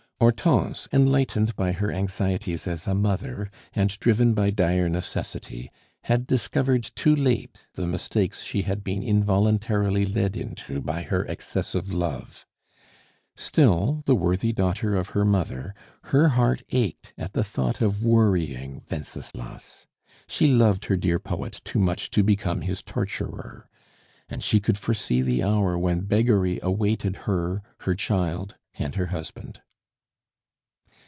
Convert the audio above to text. Hortense, enlightened by her anxieties as a mother, and driven by dire necessity, had discovered too late the mistakes she had been involuntarily led into by her excessive love. Still, the worthy daughter of her mother, her heart ached at the thought of worrying Wenceslas; she loved her dear poet too much to become his torturer; and she could foresee the hour when beggary awaited her, her child, and her husband.